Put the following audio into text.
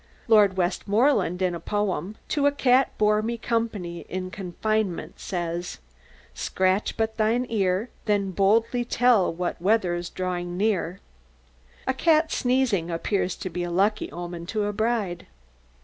Lord Westmoreland, in a poem "To a cat bore me company in confinement," says: Scratch but thine ear, Then boldly tell what weather's drawing near. The cat sneezing appears to be a lucky omen to a bride.